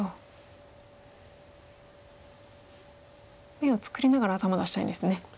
眼を作りながら頭出したいんですね。